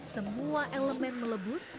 semua elemen melebut